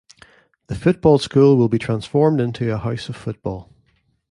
The football school will be transformed into a House of Football.